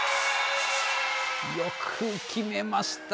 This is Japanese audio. よく決めましたね。